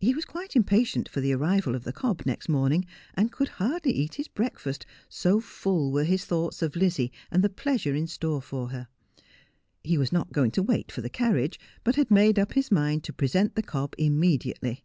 He was q'dte impatient for the arrival of the cob next morning, and could hardly eat his breakfast, so full were his thoughts of Lizzie and the pleasure in store for her. He wa Q not going to wait for the carriage, but had made up his mind to present: the cob immediately.